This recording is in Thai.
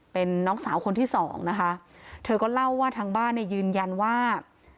เป็นน้องสาวคนที่สองนะคะเธอก็เล่าว่าทางบ้านเนี่ยยืนยันว่า